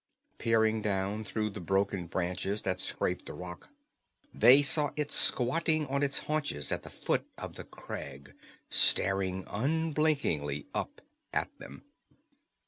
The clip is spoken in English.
Peering down through broken branches that scraped the rock, they saw it squatting on its haunches at the foot of the crag, staring unblinkingly up at them.